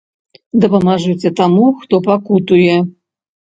Дапамажыце таму, хто пакутуе.